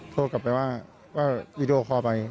โทรกลับไปว่าวีดีโอคอลไป